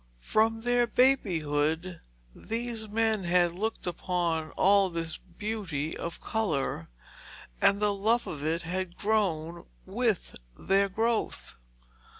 From their babyhood these men had looked upon all this beauty of colour, and the love of it had grown with their growth.